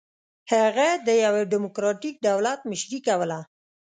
هغه د یوه ډیموکراټیک دولت مشري کوله.